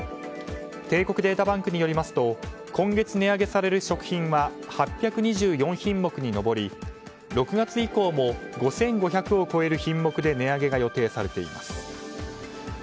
帝国データバンクによりますと今月値上げされる食品は８２４品目に上り６月以降も５５００を超える品目で値上げが予定されています。